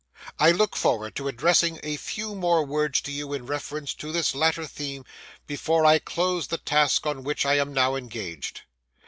I look forward to addressing a few more words to you in reference to this latter theme before I close the task on which I am now engaged.